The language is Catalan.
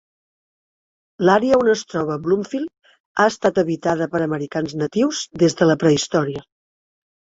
L'àrea on es troba Bloomfield ha estat habitada per americans natius des de la prehistòria.